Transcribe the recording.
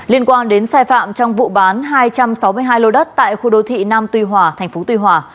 liên quan đến sai phạm trong vụ bán hai trăm sáu mươi hai lô đất tại khu đô thị nam tuy hòa thành phố tuy hòa